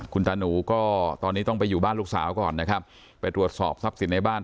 คุณตาหนูก็ตอนนี้ต้องไปอยู่บ้านลูกสาวก่อนนะครับไปตรวจสอบทรัพย์สินในบ้าน